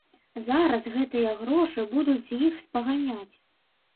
Зараз гэтыя грошы будуць з іх спаганяць.